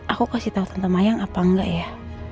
aku kasih tahu tentang mayang apa enggak ya